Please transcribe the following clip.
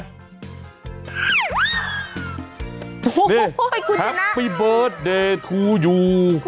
โอ้โฮคุณนุ่มนะนี่แฮปปี้เบิร์สเดย์ทูยู